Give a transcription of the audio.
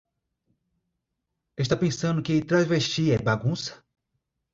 Está pensando que travesti é bagunça?